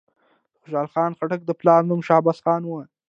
د خوشحال خان خټک د پلار نوم شهباز خان وو.